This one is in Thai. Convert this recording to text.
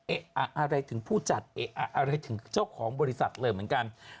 อะไรถึงผู้จัดเอ๊ะอะไรถึงเจ้าของบริษัทเลยเหมือนกัน